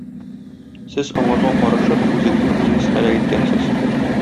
Сез, аңарга карышып, үзегезне үзегез һәлак иткәнсез.